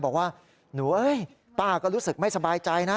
บอกว่าหนูเอ้ยป้าก็รู้สึกไม่สบายใจนะ